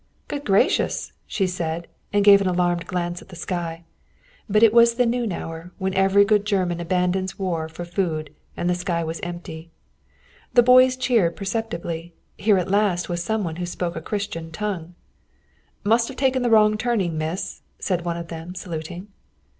"Good gracious!" she said, and gave an alarmed glance at the sky. But it was the noon hour, when every good German abandons war for food, and the sky was empty. The boys cheered perceptibly. Here was at last some one who spoke a Christian tongue. "Must have taken the wrong turning, miss," said one of them, saluting.